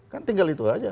kan tinggal itu saja